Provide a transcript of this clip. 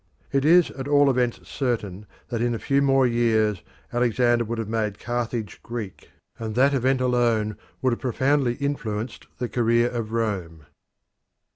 It is at all events certain that in a few more years Alexander would have made Carthage Greek, and that event alone would have profoundly influenced the career of Rome.